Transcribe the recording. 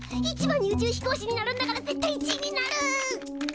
１番に宇宙飛行士になるんだから絶対１位になる！